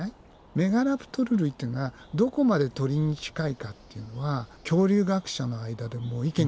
メガラプトル類っていうのはどこまで鳥に近いかっていうのは恐竜学者の間でも意見が分かれてて。